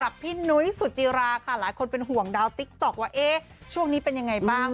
พี่นุ้ยสุจิราค่ะหลายคนเป็นห่วงดาวติ๊กต๊อกว่าเอ๊ะช่วงนี้เป็นยังไงบ้าง